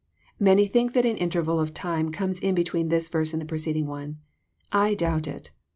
'] Many think that an interval of time comes in between this verse and the preceding one. I donbt It.